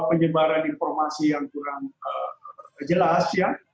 penyebaran informasi yang kurang jelas ya